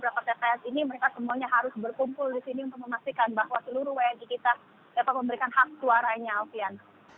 ya mumtazia terlepas dari pemungutan suara yang dilakukan hari ini yang sedikit agak kacau